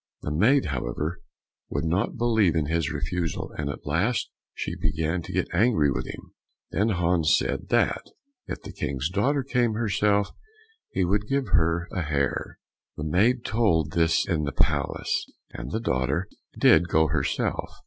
The maid, however, would not believe in his refusal, and at last she began to get angry with him. Then Hans said that if the King's daughter came herself, he would give her a hare. The maid told this in the palace, and the daughter did go herself.